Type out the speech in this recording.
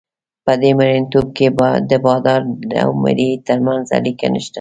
په دې مرییتوب کې د بادار او مریي ترمنځ اړیکه نشته.